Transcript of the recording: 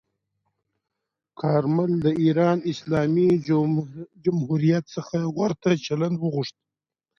کارمل د ایران اسلامي جمهوریت څخه ورته چلند غوښت.